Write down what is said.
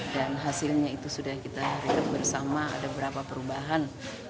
dan hasilnya itu sudah kita lihat bersama ada berapa perubahan